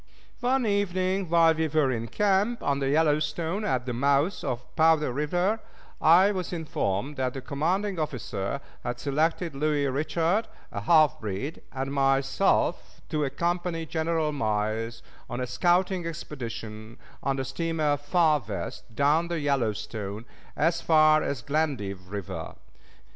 One evening, while we were in camp on the Yellowstone at the mouth of Powder River, I was informed that the commanding officer had selected Louis Richard, a half breed, and myself to accompany General Miles on a scouting expedition on the steamer Far West, down the Yellowstone as far as Glendive Creek.